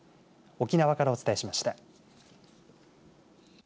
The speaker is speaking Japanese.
沖縄からお伝えしました。